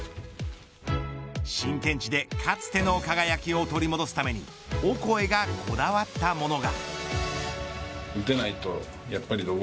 新天地でかつての輝きを取り戻すためにオコエがこだわったものが。